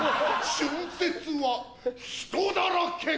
春節は人だらけ